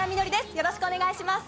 よろしくお願いします。